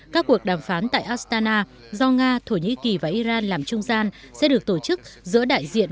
các cuộc đàm phán tại astana do nga thổ nhĩ kỳ và iran làm trung gian sẽ được tổ chức giữa đại diện